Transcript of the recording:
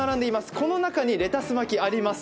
この中にレタス巻きがあります。